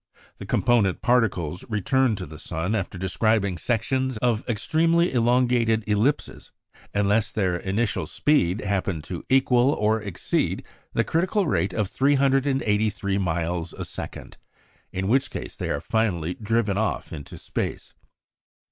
The component particles return to the sun after describing sections of extremely elongated ellipses, unless their initial speed happen to equal or exceed the critical rate of 383 miles a second, in which case they are finally driven off into space.